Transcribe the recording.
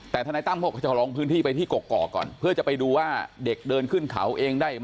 แต่ทนายตั้มเขาก็จะลงพื้นที่ไปที่กกอกก่อนเพื่อจะไปดูว่าเด็กเดินขึ้นเขาเองได้ไหม